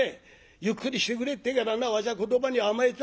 ゆっくりしてくれってからなわしは言葉に甘えた。